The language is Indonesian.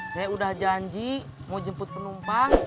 saya udah janji mau jemput penumpang